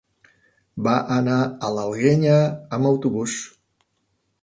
Va anar a l'Alguenya amb autobús.